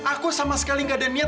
aku sama sekali gak ada niat